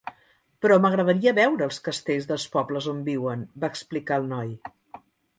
"Però m'agradaria veure els castells dels pobles on viuen" va explicar el noi.